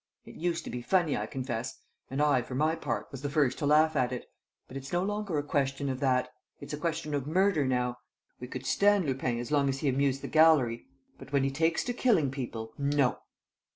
It used to be funny, I confess, and I, for my part, was the first to laugh at it. But it's no longer a question of that. It's a question of murder now. We could stand Lupin, as long as he amused the gallery. But, when he takes to killing people, no!"